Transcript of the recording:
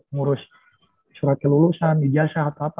ngurus surat kelulusan ijazah atau apa